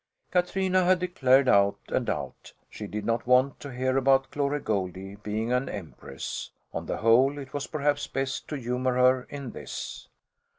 Katrina had declared out and out she did not want to hear about Glory Goldie being an empress. On the whole it was perhaps best to humour her in this.